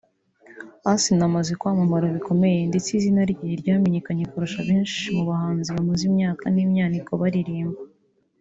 Asinah amaze kwamamara bikomeye ndetse izina rye ryamenyekanye kurusha benshi mu bahanzi bamaze imyaka n’imyaniko baririmba